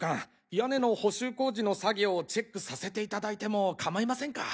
屋根の補修工事の作業をチェックさせていただいても構いませんか？